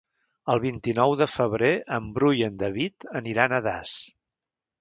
El vint-i-nou de febrer en Bru i en David aniran a Das.